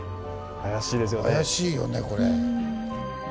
怪しいよねこれ。